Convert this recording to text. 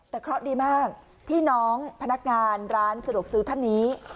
แต่เคราะห์ดีมากที่น้องพนักงานร้านสะดวกซื้อท่านนี้